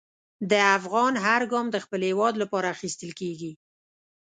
د افغان هر ګام د خپل هېواد لپاره اخیستل کېږي.